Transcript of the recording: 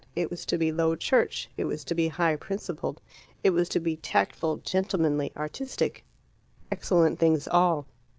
It was to be Low Church, it was to be high principled, it was to be tactful, gentlemanly, artistic excellent things all.